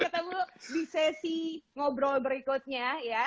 sampai ketemu di sesi ngobrol berikutnya